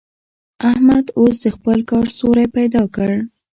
احمد اوس د خپل کار سوری پيدا کړ.